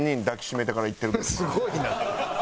すごいな！